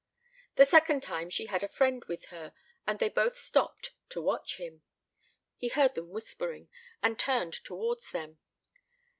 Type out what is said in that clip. The second time, she had a friend with her, and they both stopped to watch him. He heard them whispering, and turned towards them.